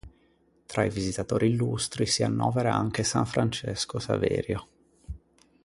Tra i visitatori illustri si annovera anche san Francesco Saverio.